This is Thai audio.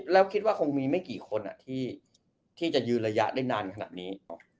แล้วคิดว่าคงมีไม่กี่คนที่จะยืนระยะได้นานขนาดนี้